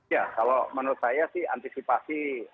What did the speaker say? ya kalau menurut saya sih antisipasi